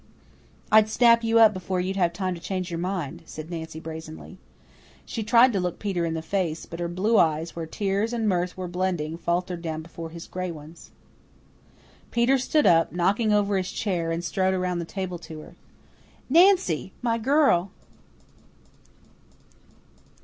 "I'd snap you up before you'd have time to change your mind," said Nancy brazenly. She tried to look Peter in the face, but her blue eyes, where tears and mirth were blending, faltered down before his gray ones. Peter stood up, knocking over his chair, and strode around the table to her. "Nancy, my girl!"